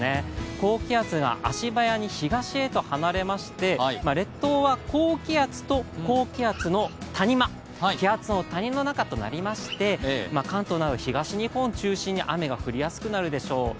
高気圧が足早に東へと離れまして、列島は高気圧と高気圧の谷間、気圧の谷の中となりまして、関東など東日本を中心に雨が降りやすくなるでしょう。